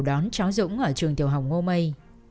đón cháu dũng ở trường tiểu hồng ngô mây